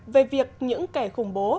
về việc những kẻ khủng bố